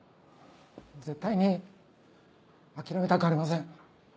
絶対に諦めたくありません。